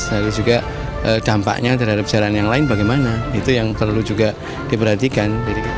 lalu juga dampaknya terhadap jalan yang lain bagaimana itu yang perlu juga diperhatikan